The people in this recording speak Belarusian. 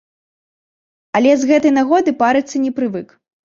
Але з гэтай нагоды парыцца не прывык.